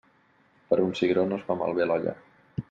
Per un cigró no es fa malbé l'olla.